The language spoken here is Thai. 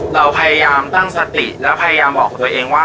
เราพยายามตั้งสติและพยายามบอกตัวเองว่า